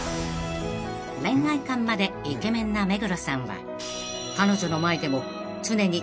［恋愛観までイケメンな目黒さんは］